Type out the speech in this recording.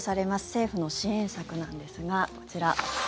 政府の支援策なんですがこちら。